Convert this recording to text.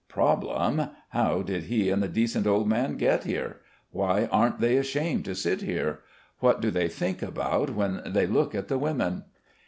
Problem: how did he and the decent old man get here? Why aren't they ashamed to sit here? What do they think about when they look at the women?